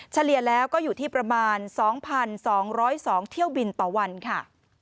เฉลี่ยแล้วก็อยู่ที่ประมาณ๒๒๐๒เที่ยวบินต่อวันค่ะ